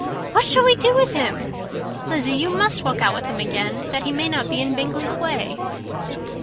What shall we do with him? Lizzy, you must walk out with him again, that he may not be in Bingley's way."